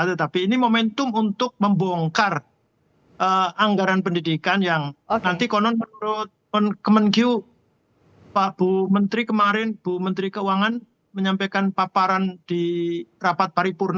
tetapi ini momentum untuk membongkar anggaran pendidikan yang nanti konon menurut kemenkyu pak bu menteri kemarin bu menteri keuangan menyampaikan paparan di rapat paripurna